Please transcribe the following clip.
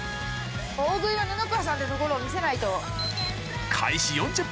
大食いは布川さんってところ見せないと。